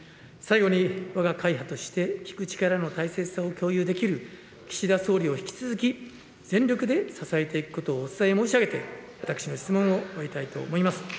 最後に、わが会派として聞く力の大切さを共有できる岸田総理を引き続き全力で支えていくことをお伝え申し上げて、私の質問を終えたいと思います。